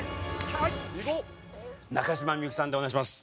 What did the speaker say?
中島みゆきさんでお願いします。